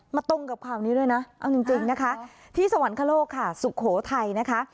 ตรงกับข่าวนี้ด้วยนะเอาจริงนะคะที่สวรรคโลกค่ะสุโขทัยนะคะ